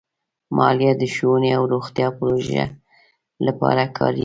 مالیه د ښوونې او روغتیا پروژو لپاره کارېږي.